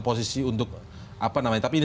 posisi untuk apa namanya tapi ini